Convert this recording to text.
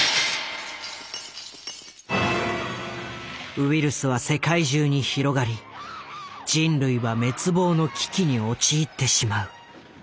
ウイルスは世界中に広がり人類は滅亡の危機に陥ってしまう。